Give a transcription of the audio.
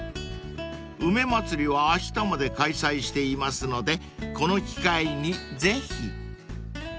［梅まつりはあしたまで開催していますのでこの機会にぜひ］